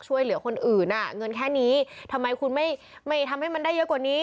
ช่วยเหลือคนอื่นอ่ะเงินแค่นี้ทำไมคุณไม่ไม่ทำให้มันได้เยอะกว่านี้